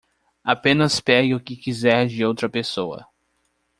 Apenas pegue o que quiser de outra pessoa